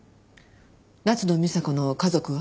夏野美紗子の家族は？